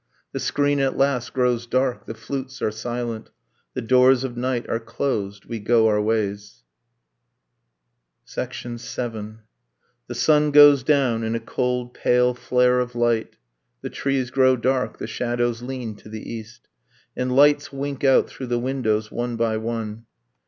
The screen at last grows dark, the flutes are silent. The doors of night are closed. We go our ways. VII. The sun goes down in a cold pale flare of light. The trees grow dark: the shadows lean to the east: And lights wink out through the windows, one by one.